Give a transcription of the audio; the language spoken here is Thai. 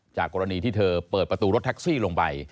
กรณีที่เธอเปิดประตูรถแท็กซี่ลงไป